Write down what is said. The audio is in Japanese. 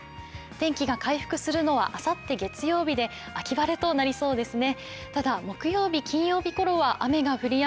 天気が回復するのはあさって月曜日で、秋晴れとなりそうですね。